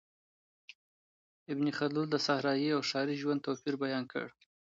ابن خلدون د صحرایي او ښاري ژوند توپیر بیان کړ.